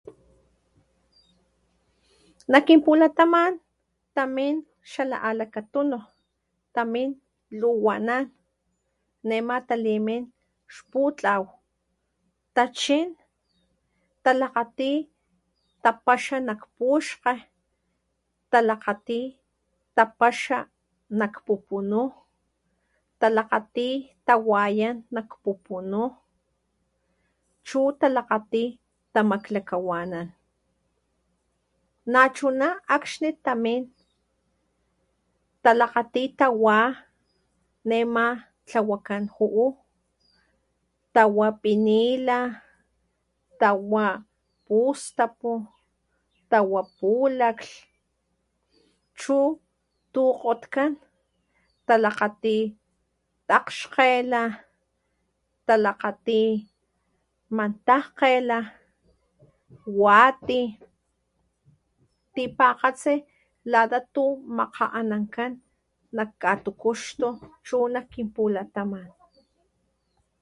Nak kinpulataman tamin xala alakatunu tamin luwanan nema talimin xputlaw tachin talakgati tapaxa nak puxkga, talakgati tapaxa nak pupunu, talakgati tawayan nak pupunu chu talakgati tamaklakawanan nachuna akxni tamin talkgati tawa nema tlawakan ju´u tawa pinila, tawa pustapu, tawa pulaklh chu tu kgotkan talakgati takgxkgela, talakgati mantajkgela, wati tipakgatsi lata tu makga´anankan nak katukuxtu chu nak kin pulataman